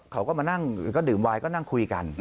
เขาก็มานั่งก็ดื่มไวน์ก็นั่งคุยกัน